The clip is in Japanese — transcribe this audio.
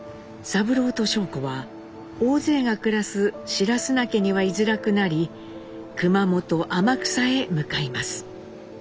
三郎と尚子は大勢が暮らす白砂家にはいづらくなり熊本天草へ向かいます。